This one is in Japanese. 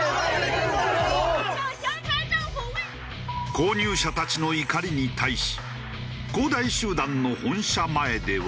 購入者たちの怒りに対し恒大集団の本社前では。